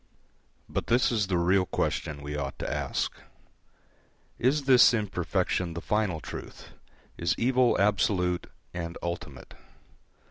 But this is the real question we ought to ask: Is this imperfection the final truth, is evil absolute and ultimate?